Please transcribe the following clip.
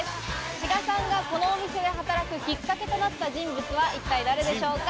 志賀さんがこのお店で働くきっかけになった人物は一体誰でしょうか？